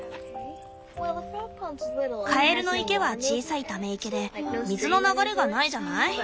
カエルの池は小さいため池で水の流れがないじゃない？